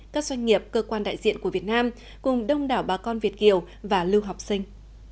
các doanh nghiệp cơ quan đại diện của việt nam cùng đông đảo bà con việt kiều và lưu học sinh